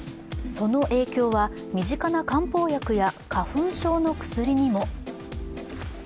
その影響は身近な漢方薬や花粉症の薬にも。